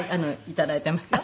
頂いてますよ。